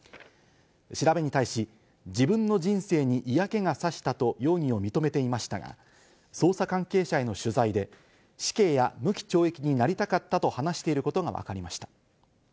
調べに対し、自分の人生に嫌気がさしたと容疑を認めていましたが、捜査関係者への取材で死刑や無期懲役になりたかったと話していることがわかりました。